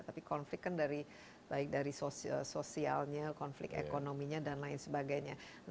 tapi konflik kan baik dari sosialnya konflik ekonominya dan lain sebagainya